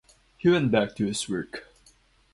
He went back to his work.